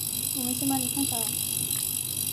我们先帮妳看小孩